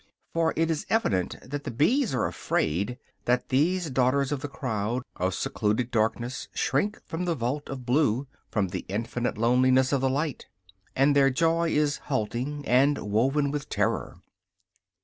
For it is evident that the bees are afraid; that these daughters of the crowd, of secluded darkness, shrink from the vault of blue, from the infinite loneliness of the light; and their joy is halting, and woven of terror.